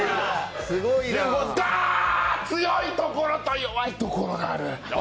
ダー、強いところと弱いところがある。